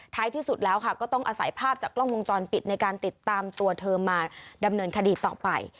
ที่สุดแล้วค่ะก็ต้องอาศัยภาพจากกล้องวงจรปิดในการติดตามตัวเธอมาดำเนินคดีต่อไป